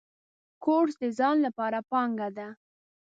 کورس د ځان لپاره پانګه ده.